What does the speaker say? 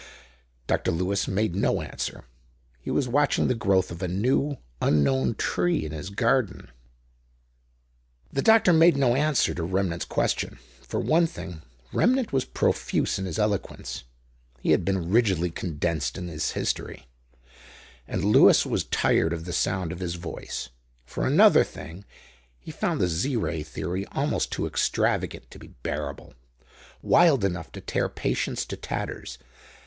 Dr. Lewis made no answer. He was watching the growth of a new, unknown tree in his garden. The doctor made no answer to Remnant's question. For one thing, Remnant was profuse in his eloquence—he has been rigidly condensed in this history—and Lewis was tired of the sound of his voice. For another thing, he found the Z Ray theory almost too extravagant to be bearable, wild enough to tear patience to tatters.